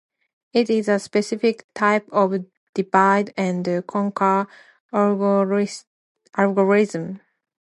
It is a specific type of divide and conquer algorithm.